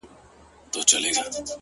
كړۍ -كـړۍ لكه ځنځير ويـده دی-